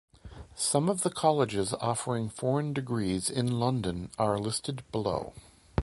Some of the colleges offering foreign degrees in London are listed below.